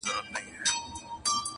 هم جوګي وو هم دروېش هم قلندر وو؛